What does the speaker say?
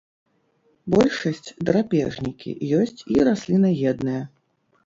Большасць драпежнікі, ёсць і раслінаедныя.